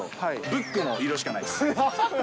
ブックの色しかないです。